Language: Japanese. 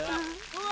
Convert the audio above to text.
・うわ！